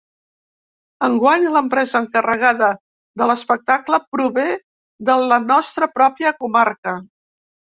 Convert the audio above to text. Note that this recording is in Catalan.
Enguany, l’empresa encarregada de l’espectacle prové de la nostra pròpia comarca.